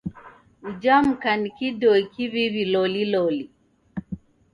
Uja mka ni kidoi kiw'iw'i loliloli.